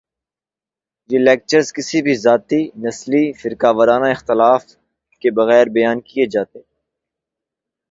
یہ لیکچرز کسی بھی ذاتی ، نسلی ، فرقہ ورانہ اختلاف کے بغیر بیان کیے جاتے ہیں